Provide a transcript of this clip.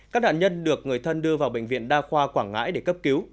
các nạn nhân được người thân đưa vào bệnh viện đa khoa quảng ngãi để cấp cứu